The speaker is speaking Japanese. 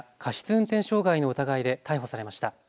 運転傷害の疑いで逮捕されました。